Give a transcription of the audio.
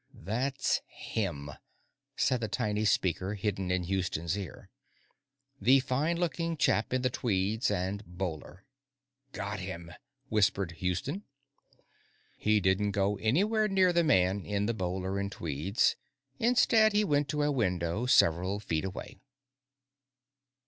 That's him, said the tiny speaker hidden in Houston's ear. The fine looking chap in the tweeds and bowler. "Got him," whispered Houston. He didn't go anywhere near the man in the bowler and tweeds; instead, he went to a window several feet away.